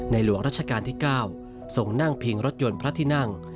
หลวงรัชกาลที่๙ส่งนั่งพิงรถยนต์พระที่นั่ง